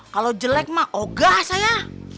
kalau jelek mah oga saya